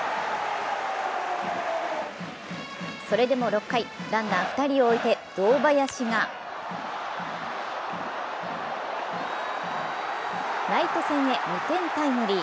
それでも６回、ランナー２人を置いて堂林がライト線へ２点タイムリー。